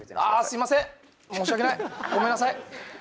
あすいません申し訳ないごめんなさい。